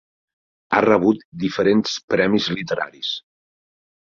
Ha rebut diferents premis literaris.